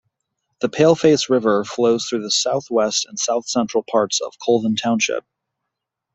The Paleface River flows through the southwest and south-central parts of Colvin Township.